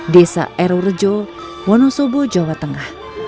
desa air rojo wonosobo jawa tengah